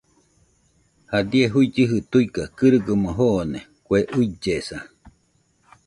Jadie juillɨji tuiga kɨrɨgaɨmo joone kue ullesa.